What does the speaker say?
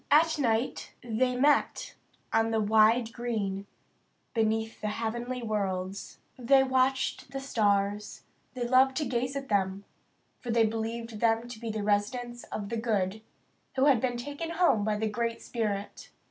At night they met on the wide green beneath the heavenly worlds the ah nung o kah. They watched the stars; they loved to gaze at them, for they believed them to be the residences of the good, who had been taken home by the Great Spirit.